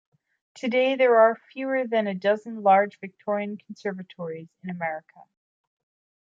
Today there are fewer than a dozen large Victorian conservatories in America.